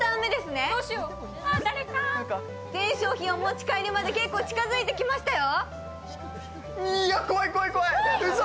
全商品お持ち帰りまで結構近づいてきましたよ。